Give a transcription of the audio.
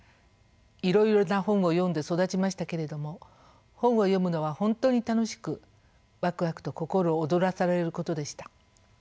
いろいろな本を読んで育ちましたけれども本を読むのは本当に楽しくわくわくと心躍らされることでした。